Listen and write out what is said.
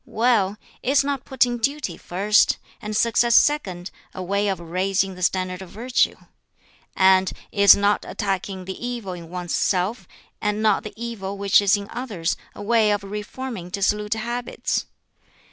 "Well, is not putting duty first, and success second, a way of raising the standard of virtue? And is not attacking the evil in one's self, and not the evil which is in others, a way of reforming dissolute habits?